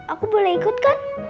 aku boleh ikut kan